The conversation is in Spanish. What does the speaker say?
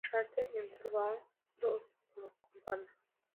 Slater" en "Salvados por la campana".